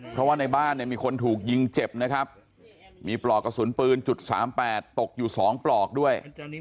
เพราะว่าในบ้านเนี่ยมีคนถูกยิงเจ็บนะครับมีปลอกกระสุนปืนจุด๓๘ตกอยู่๒ปลอกด้วย